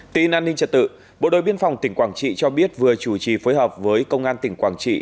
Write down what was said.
tin an ninh trật tự bộ đội biên phòng tỉnh quảng trị cho biết vừa chủ trì phối hợp với công an tỉnh quảng trị